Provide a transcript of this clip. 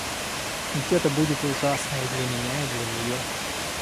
Ведь это будет ужасно и для меня и для нее.